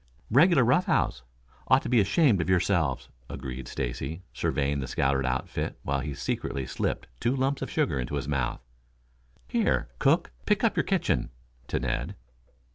"Regular rough house. Ought to be ashamed of yourselves," agreed Stacy, surveying the scattered outfit, while he secretly slipped two lumps of sugar into his mouth. "Here, cook, pick up your kitchen," to Ned.